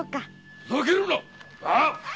ふざけるな！